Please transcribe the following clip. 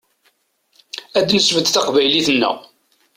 Ad nesbedd taqbaylit-nneɣ.